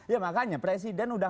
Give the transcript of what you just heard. ya makanya presiden sudah